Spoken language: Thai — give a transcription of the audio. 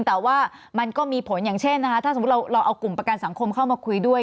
แต่ว่ามันก็มีผลอย่างเช่นนะคะถ้าสมมุติเราเอากลุ่มประกันสังคมเข้ามาคุยด้วย